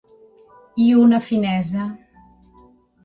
I una finesa...